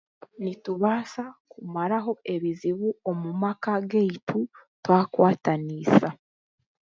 Nitubaasa kumaraho ebizibu omu maka gaitu twakwataniisa